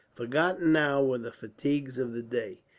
Forgotten now were the fatigues of the day.